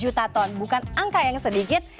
dua empat juta ton bukan angka yang sedikit